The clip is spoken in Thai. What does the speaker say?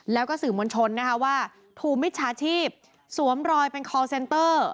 แล้วก็สื่อมวลชนนะคะว่าถูกมิจฉาชีพสวมรอยเป็นคอลเซนเตอร์